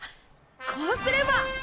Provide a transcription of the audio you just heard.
こうすれば！